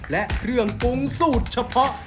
และเครื่องปรุงสูตรเฉพาะ